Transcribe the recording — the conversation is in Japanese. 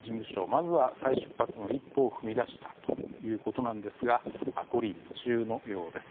まずは再出発の一歩を踏み出したということなんですが五里霧中のようです。